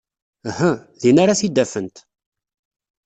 Uhu. Din ara t-id-afent.